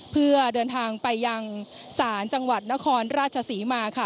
เพื่อเดินทางไปยังศาลจังหวัดนครราชศรีมาค่ะ